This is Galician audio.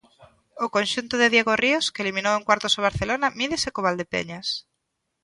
O conxunto de Diego Ríos, que eliminou en cuartos o Barcelona, mídese co Valdepeñas.